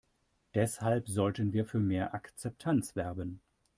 Deshalb sollten wir für mehr Akzeptanz werben.